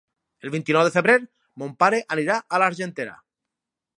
El vint-i-nou de febrer mon pare anirà a l'Argentera.